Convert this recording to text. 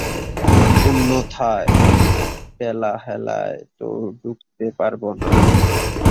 অন্যথায়, ভ্যালহ্যালায় তো ঢুকতে পারবে না।